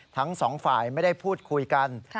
ทั้งสองฝ่ายไม่ได้พูดคุยกัน